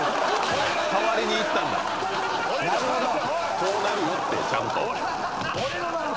「こうなるよってちゃんと」